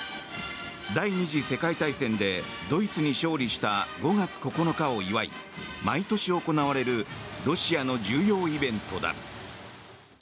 第２次世界大戦でドイツに勝利した５月９日を祝い毎年行われるロシアの重要イベントだ。